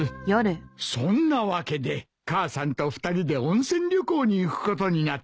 そんなわけで母さんと二人で温泉旅行に行くことになった。